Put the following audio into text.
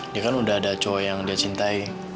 dia kan udah ada cowok yang dia cintai